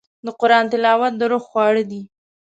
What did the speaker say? د قرآن تلاوت د روح خواړه دي.